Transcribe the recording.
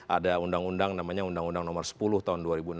ada undang undang namanya undang undang nomor sepuluh tahun dua ribu enam belas